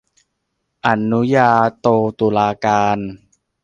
อนุญาโตตุลาการ